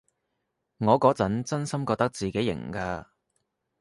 我嗰陣真心覺得自己型㗎